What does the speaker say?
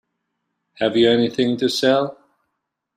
Have you anything to sell?